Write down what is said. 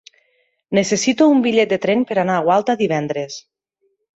Necessito un bitllet de tren per anar a Gualta divendres.